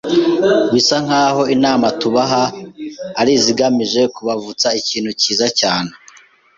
’ Bisa nk’aho inama tubaha ari izigamije kubavutsa ikintu cyiza cyane